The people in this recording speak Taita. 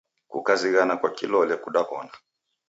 Kakuzighana kwa kilole kudakuw'ona